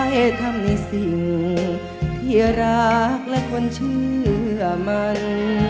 ให้ทำในสิ่งที่รักและคนเชื่อมัน